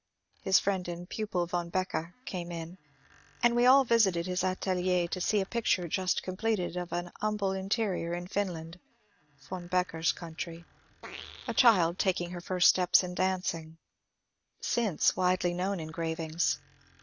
His friend and pupil Von Becker came in, and we all visited his atelier to see a picture just completed of an humble interior in Finland (Von Becker's country), a child taking her first steps in dancing, — since widely known by engravings.